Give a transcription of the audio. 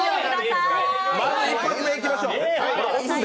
まず１発目、いきましょう。